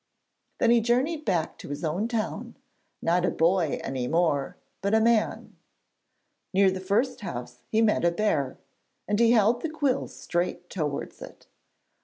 Then he journeyed back to his own town, not a boy any more, but a man. Near the first house he met a bear and he held the quill straight towards it.